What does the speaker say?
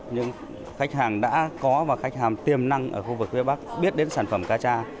những khách hàng đã có và khách hàng tiềm năng ở khu vực phía bắc biết đến sản phẩm cá cha